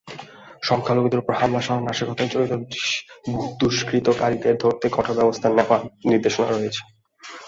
সংখ্যালঘুদের ওপর হামলাসহ নাশকতায় জড়িত দুষ্কৃতকারীদের ধরতে কঠোর ব্যবস্থা নেওয়ার নির্দেশনা রয়েছে।